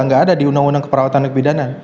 tidak ada di undang undang keperawatan dan kebidanan